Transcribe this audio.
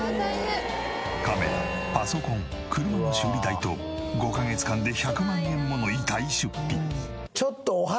カメラパソコン車の修理代と５カ月間で１００万円もの痛い出費。